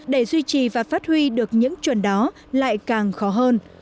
để duy trì và phát huy được những chuẩn đó lại càng khó hơn